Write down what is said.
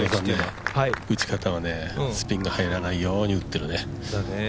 打ち方はスピンが入らないように打ってるね。